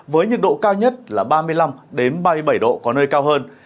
với nhiệt độ cao nhất là ba mươi năm ba mươi bảy độ có nơi cao hơn